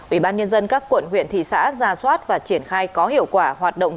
ubnd các quận huyện thị xã ra soát và triển khai có hiệu quả hoạt động